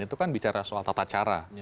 itu kan bicara soal tata cara